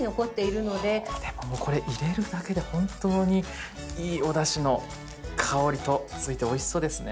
もうこれ入れるだけで本当にいいおだしの香りが付いておいしそうですね。